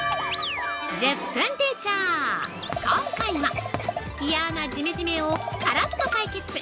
今回はイヤなジメジメをカラッと解決！！